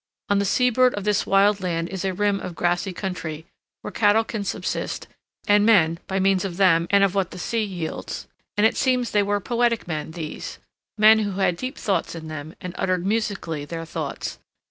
On the seaboard of this wild land is a rim of grassy country, where cattle can subsist, and men by means of them and of what the sea yields; and it seems they were poetic men these, men who had deep thoughts in them and uttered musically their thoughts.